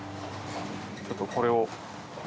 ちょっとこれを。